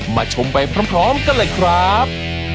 ชมไปพร้อมกันเลยครับ